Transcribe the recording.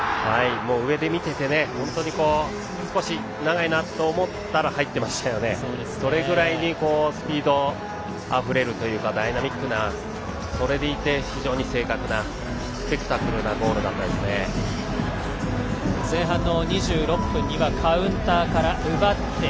上で見ていて少し長いなと思ったら入ってましたね、それぐらいにスピードあふれるというかダイナミックなそれでいて、精確な前半の２６分にはカウンターから奪って